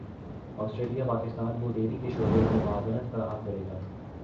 Australia Pakistan کو dairy کے شعبے میں معاونت فراہم کرے گا